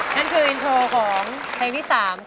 นั่นคืออินโทรของเพลงที่๓